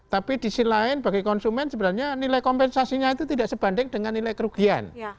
tapi di sisi lain bagi konsumen sebenarnya nilai kompensasinya itu tidak sebanding dengan nilai kerugian